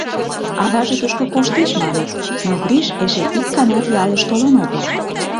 Аваже тушко коштеш, маныт, но Гриш эше ик ганат ялыш толын огыл.